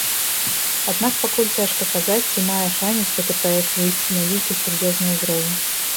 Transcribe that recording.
Аднак пакуль цяжка казаць, ці мае шанец гэты праект выйсці на нейкі сур'ёзны ўзровень.